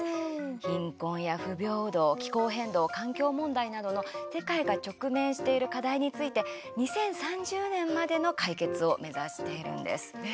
貧困や不平等、気候変動環境問題などの世界が直面している課題について２０３０年までの解決を目指しているんです。